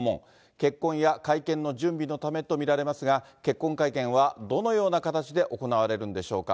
結婚や会見の準備のためと見られますが、結婚会見はどのような形で行われるんでしょうか。